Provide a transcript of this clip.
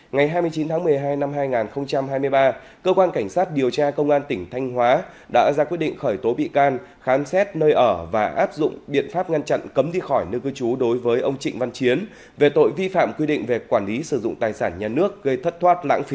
ngày hai mươi chín tháng một mươi hai năm hai nghìn hai mươi ba cơ quan cảnh sát điều tra công an tỉnh thanh hóa đã ra quyết định khởi tố bị can khám xét nơi ở và áp dụng biện pháp ngăn chặn cấm đi khỏi nơi cư trú đối với ông trịnh văn chiến về tội vi phạm quy định về quản lý sử dụng tài sản nhà nước gây thất thoát lãng phí